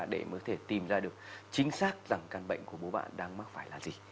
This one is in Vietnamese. để có thể tìm ra được chính xác rằng căn bệnh của bố bạn đang mắc phải là gì